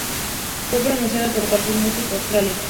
Fue promocionado por Warner Music Australia.